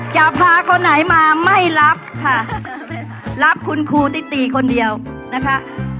จะพาคนไหนมาไม่รับค่ะรับคุณครูติคนเดียวนะคะ